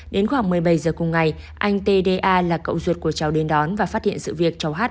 đến khoảng một mươi bảy giờ cùng ngày anh t d a là cậu ruột của cháu đến đón và phát hiện sự việc cháu hát